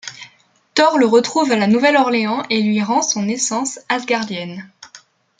Thor le retrouve à La Nouvelle-Orléans et lui rend son essence asgardienne.